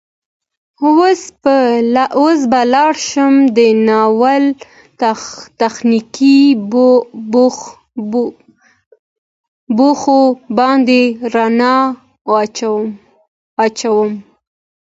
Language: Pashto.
اوس به راشم د ناول تخنيکي بوخو باندې ړنا اچوم